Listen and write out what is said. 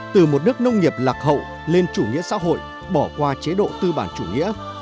từ một nước nông nghiệp lạc hậu lên chủ nghĩa xã hội bỏ qua chế độ tư bản chủ nghĩa